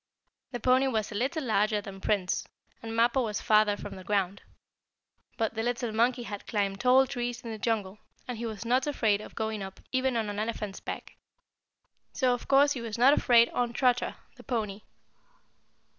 The pony was a little larger than Prince, and Mappo was farther from the ground. But the little monkey had climbed tall trees in the jungle, and he was not afraid of going up even on an elephant's back. So, of course, he was not afraid on Trotter, the pony.